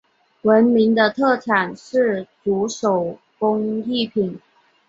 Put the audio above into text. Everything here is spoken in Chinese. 闻名的特产是竹手工艺品。